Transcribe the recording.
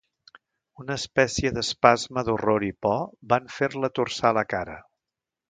Una espècie d'espasme d'horror i por van fer-la torçar la cara.